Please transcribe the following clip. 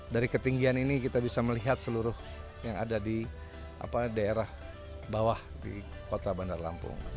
dari ketinggian ini kita bisa melihat seluruh yang ada di daerah bawah di kota bandar lampung